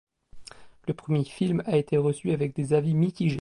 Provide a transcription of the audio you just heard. Le premier film a été reçu avec des avis mitigés.